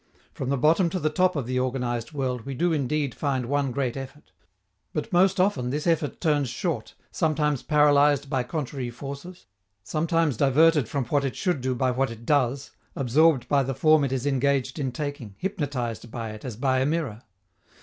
From the bottom to the top of the organized world we do indeed find one great effort; but most often this effort turns short, sometimes paralyzed by contrary forces, sometimes diverted from what it should do by what it does, absorbed by the form it is engaged in taking, hypnotized by it as by a mirror.